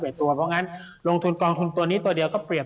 เพราะงั้นลงทุนกองทุนตัวนี้ตัวเดียวก็เรียบ